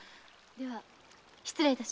では失礼いたします。